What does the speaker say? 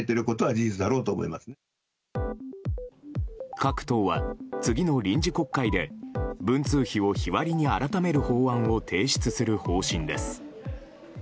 各党は、次の臨時国会で文通費を日割りに改める法案を提出する方針です。